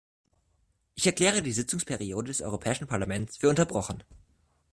Ich erkläre die Sitzungsperiode des Europäische Parlaments für unterbrochen.